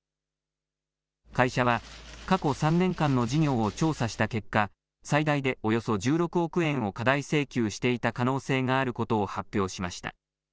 会社は、過去３年間の事業を調査した結果、最大でおよそ１６億円を過大請求していた可能性があることを発表しました。